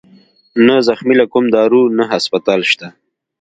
نه زخمى له کوم دارو نه هسپتال شت